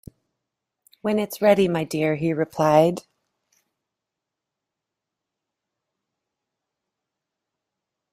"When it's ready, my dear," he replied.